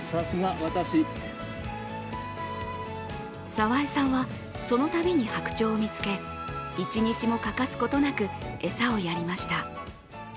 澤江さんは、そのたびに白鳥を見つけ、一日も欠かすことなく餌をやりました。